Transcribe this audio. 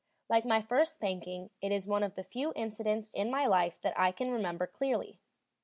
Like my first spanking, it is one of the few incidents in my life that I can remember clearly.